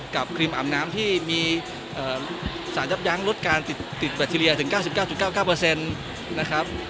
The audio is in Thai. ครีมอาบน้ำที่มีสารยับยั้งลดการติดแบคทีเรียถึง๙๙๙๙นะครับ